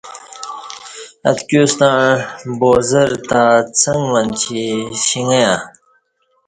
اتکیوستݩع بازار تہ څݣ منچی شݣیہ۔